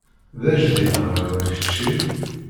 D ajdid ɣer da kečči?